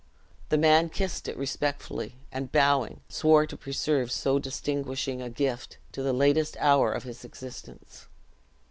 The man kissed it respectfully, and bowing, swore to preserve so distinguishing a gift to the latest hour of his existence.